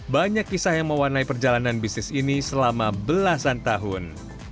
banyak kisah yang mewarnai perjalanan bisnis ini selama belasan tahun